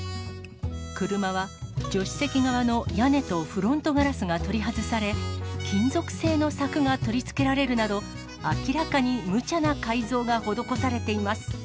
車は助手席側の屋根とフロントガラスが取り外され、金属製の柵が取り付けられるなど、明らかにむちゃな改造が施されています。